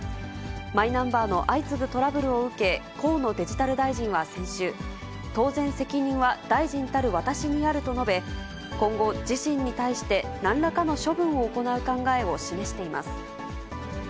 マイナンバーの相次ぐトラブルを受け、河野デジタル大臣は先週、当然責任は大臣たる私にあると述べ、今後、自身に対してなんらかの処分を行う考えを示しています。